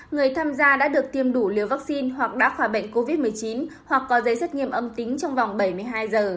người tham gia đã được tiêm đủ liều vaccine hoặc đã khỏi bệnh covid một mươi chín hoặc có giấy xét nghiệm âm tính trong vòng bảy mươi hai giờ